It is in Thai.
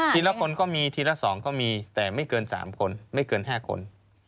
ทีละคนก็มีทีละ๒ก็มีแต่ไม่เกิน๓คนไม่เกิน๕คน